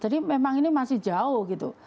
jadi memang ini masih jauh gitu